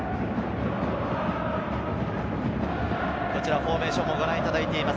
フォーメーションをご覧いただいています。